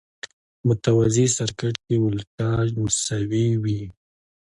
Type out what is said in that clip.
متوازي سرکټ کې ولټاژ مساوي وي.